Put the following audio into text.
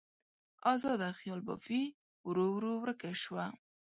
ازاده خیال بافي ورو ورو ورکه شوه.